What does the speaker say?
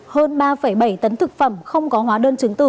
hơn ba bảy tấn thực phẩm không có hóa đơn chứng từ